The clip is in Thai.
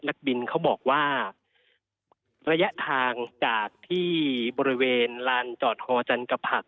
นักบินเขาบอกว่าระยะทางจากที่บริเวณลานจอดฮอจันกะผัก